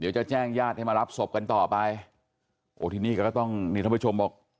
เดี๋ยวจะแจ้งญาติให้มารับศพกันต่อไปโอ้ทีนี้ก็ต้องนี่ท่านผู้ชมบอก